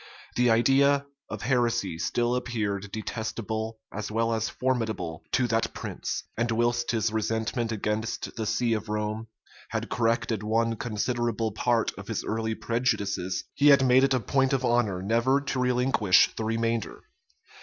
The idea of heresy still appeared detestable as well as formidable to that prince; and whilst his resentment against the see of Rome had corrected one considerable part of his early prejudices, he had made it a point of honor never to relinquish the remainder.